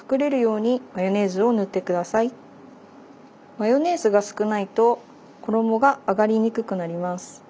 マヨネーズが少ないと衣が揚がりにくくなります。